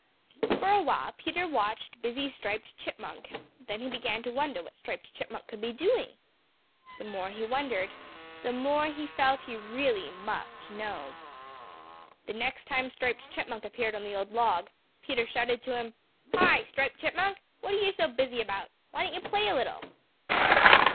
For a while Peter watched busy Striped Chipmunk. Then he began to wonder what Striped Chipmunk could be doing. The more he wondered the more he felt that he really must know. The next time Striped Chipmunk appeared on the old log, Peter shouted to him. "Hi, Striped Chipmunk, what are you so busy about? Why don't you play a little?"